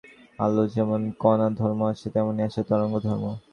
আলোর যেমন কণা ধর্ম আছে, তেমনি আছে তরঙ্গ ধর্ম।